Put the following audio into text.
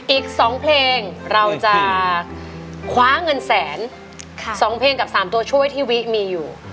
อีก๒เพลงเราจะคว้าเงินแสน๒เพลงกับ๓ตัวช่วยที่วิมีอยู่